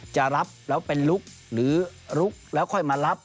จะรับแล้วเป็นลุกหรือลุกแล้วค่อยมารับ